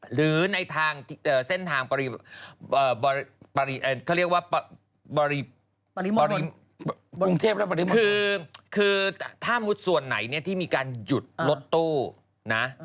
หรือในเส้นทางปริมทรวงเทพคือถ้ามุดส่วนไหนที่มีการหยุดรถตู้